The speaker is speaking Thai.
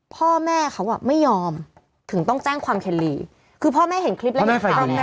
พ่อแม่ฝ่ายหญิงใช่มั้ย